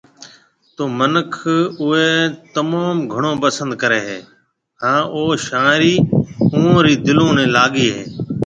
تو منک اوئي تموم گھڻو پسند ڪري هي هان او شاعري اوئون ري دلون ني لاگي هي